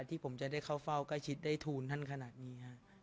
ที่ผมจะได้เข้าเฝ้าใกล้ชิดได้ทูลท่านขนาดนี้ฮะ